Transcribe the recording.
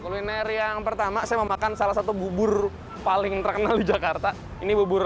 kuliner yang pertama saya mau makan salah satu bubur paling terkenal di jakarta ini bubur